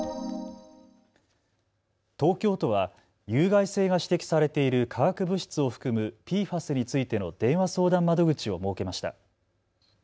東京都は有害性が指摘されている化学物質を含むＰＦＡＳについての電話相談窓口を設けました。